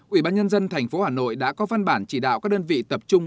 ủy ban nhân dân thành phố hà nội đã có văn bản chỉ đạo các đơn vị tập trung